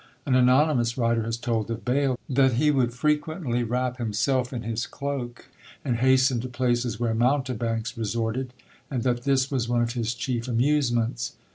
An anonymous writer has told of Bayle, that he would frequently wrap himself in his cloak, and hasten to places where mountebanks resorted; and that this was one of his chief amusements.